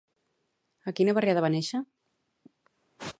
A quina barriada va néixer?